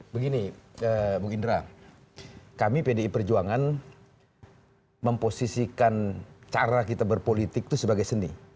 begini bung indra kami pdi perjuangan memposisikan cara kita berpolitik itu sebagai seni